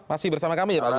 masih bersama kami ya pak agus